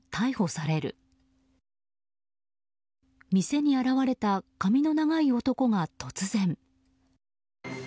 店に現れた髪の長い男が、突然。